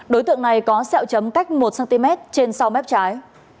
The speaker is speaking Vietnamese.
đối tượng này có xeo chấm cách một cm trên sau mép trái